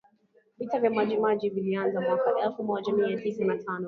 Vita vya Maji Maji vilianza mwaka elfu moja mia tisa na tano